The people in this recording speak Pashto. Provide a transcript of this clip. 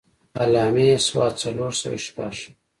علّامي ص څلور سوه شپږ.